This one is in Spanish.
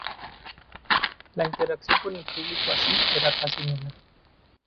La interacción con el público así, era casi nula.